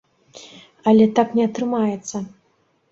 Але так не атрымаецца.